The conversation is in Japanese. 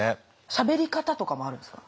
しゃべり方とかもあるんですか？